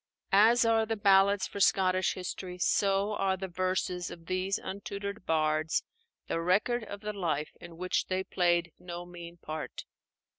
As are the ballads for Scottish history, so are the verses of these untutored bards the record of the life in which they played no mean part.